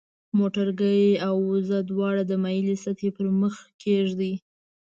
موټرګی او وزنه دواړه د مایلې سطحې پر مخ کیږدئ.